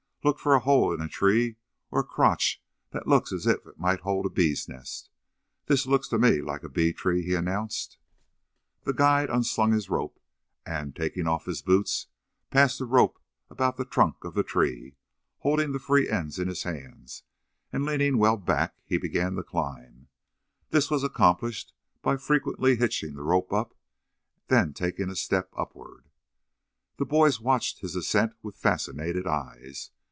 Look for a hole in a tree or a crotch that looks as if it might hold a bees' nest. This looks to me like a bee tree," he announced. The guide unslung his rope, and, taking off his boots, passed the rope about the trunk of the tree, holding the free ends in his hands, and leaning well back he began to climb. This was accomplished by frequently hitching the rope up, then taking a step upward. The boys watched his ascent with fascinated eyes.